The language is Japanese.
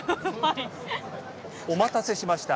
お待たせしました。